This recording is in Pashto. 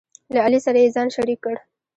له علي سره یې ځان شریک کړ،